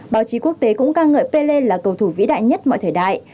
báo chí quốc tế cũng ca ngợi pellen là cầu thủ vĩ đại nhất mọi thời đại